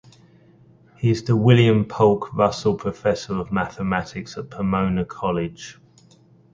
He is the William Polk Russell Professor of Mathematics at Pomona College.